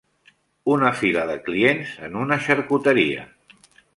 Una fila de clients en una xarcuteria.